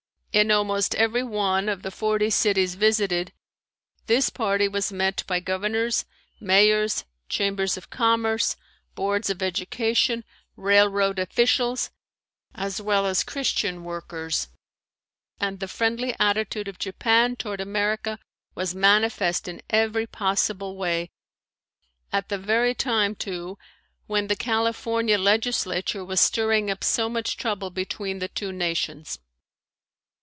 In almost every one of the forty cities visited this party was met by governors, mayors, chambers of commerce, boards of education, railroad officials, as well as Christian workers and the friendly attitude of Japan toward America was manifest in every possible way, at the very time too when the California legislature was stirring up so much trouble between the two nations.